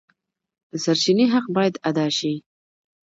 د سرچینې حق باید ادا شي.